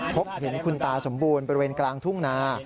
พบเห็นคุณตาสมบูรณ์บริเวณกลางทุ่งนา